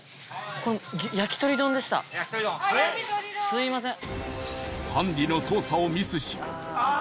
すいません。